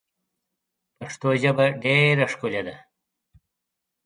پښتو ژبه ډېره ښکلې ده.